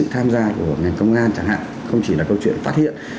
tham gia của ngành công an chẳng hạn không chỉ là câu chuyện phát hiện